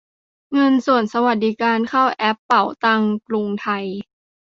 ส่วนเงินสวัสดิการเข้าแอปเป๋าตังค์กรุงไทย